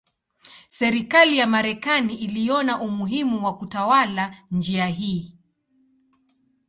Serikali ya Marekani iliona umuhimu wa kutawala njia hii.